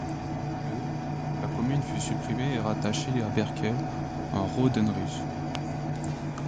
Le la commune fut supprimée et rattachée à Berkel en Rodenrijs.